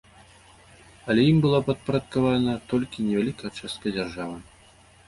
Але ім была падпарадкавана толькі невялікая частка дзяржавы.